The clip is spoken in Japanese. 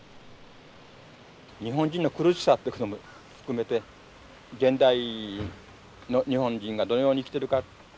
日本人の苦しさってことも含めて現代の日本人がどのように生きてるか。